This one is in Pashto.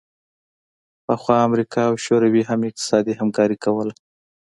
پخوا امریکا او شوروي هم اقتصادي همکاري کوله